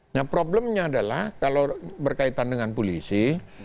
nah problemnya adalah kalau berkaitan dengan polisi